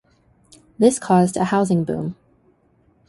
This caused a housing boom.